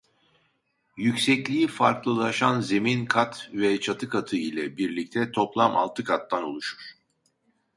Yüksekliği farklılaşan zemin kat ve çatı katı ile birlikte toplam altı kattan oluşur.